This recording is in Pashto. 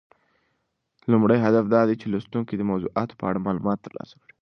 لومړی هدف دا دی چې لوستونکي د موضوعاتو په اړه معلومات ترلاسه کړي.